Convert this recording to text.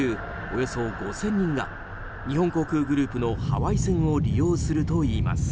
およそ５０００人が日本航空グループのハワイ線を利用するといいます。